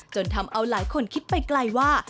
ทำเอาหลายคนคิดไปไกลว่า